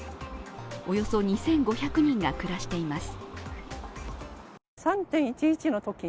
およそ２５００人が暮らしています。